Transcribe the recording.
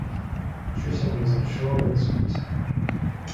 Tritton was unsure what this would entail.